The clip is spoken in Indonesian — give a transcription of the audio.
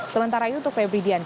sementara itu untuk febri dian